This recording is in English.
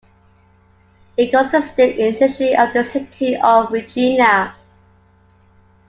It consisted initially of the city of Regina.